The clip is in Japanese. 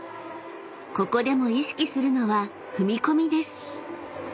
［ここでも意識するのは踏み込みです］